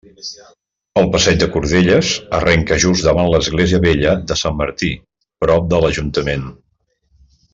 El passeig de Cordelles arrenca just davant l'església vella de Sant Martí, prop de l'Ajuntament.